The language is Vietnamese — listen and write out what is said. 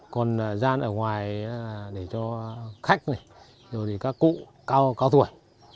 còn gian ở ngoài là để cho khách rồi các cụ cao tuổi